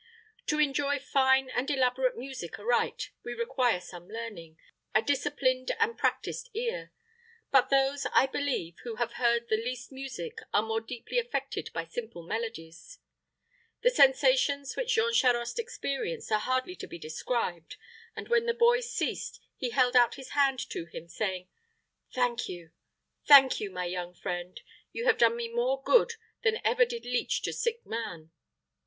To enjoy fine and elaborate music aright, we require some learning, a disciplined and practiced ear; but those, I believe, who have heard the least music are more deeply affected by simple melodies. The sensations which Jean Charost experienced are hardly to be described, and when the boy ceased, he held out his hand to him, saying, "Thank you, thank you, my young friend. You have done me more good than ever did leech to sick man."